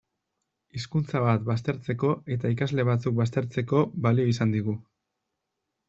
Hizkuntza bat baztertzeko eta ikasle batzuk baztertzeko balio izan digu.